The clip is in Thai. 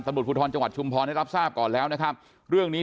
ตำรวจภูทรจังหวัดชุมพรได้รับทราบก่อนแล้วนะครับเรื่องนี้